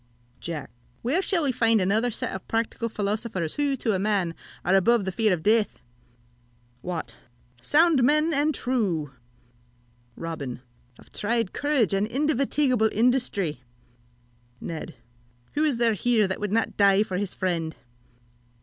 Jack. Where shall we find such another set of practical philosophers, who, to a man, are above the fear of death! Wat. Sound men and true! Robin. Of tried courage and indefatigable industry! Ned. Who is there here that would not die for his friend?